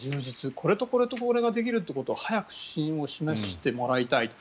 これとこれとこれができるということの早く指針を示してもらいたい。